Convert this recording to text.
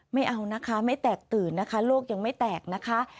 ไม่เอานะคะไม่แตกตื่นนะคะโลกยังไม่แตกนะคะ